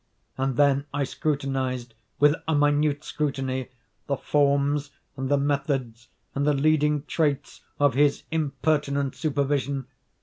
And then I scrutinized, with a minute scrutiny, the forms, and the methods, and the leading traits of his impertinent supervision.